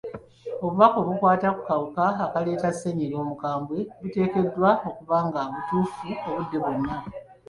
Obubaka obukwata ku kawuka akaleeta ssennyiga omukambwe buteekeddwa okuba nga butuufu obudde bwonna.